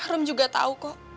rum juga tau kok